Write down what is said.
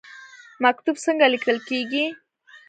مکتوب څنګه لیکل کیږي؟